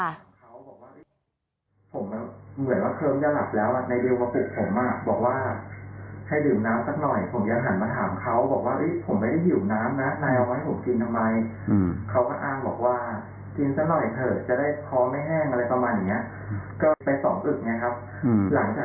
บ๊วยเหมือนว่าเคิมจะหลับแล้วอ่ะไว้อะไรตรงก้นมาบอกว่า